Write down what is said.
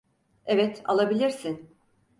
Evet, alabilirsin.